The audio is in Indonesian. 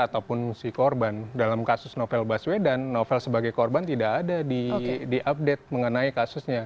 ataupun si korban dalam kasus novel baswedan novel sebagai korban tidak ada di update mengenai kasusnya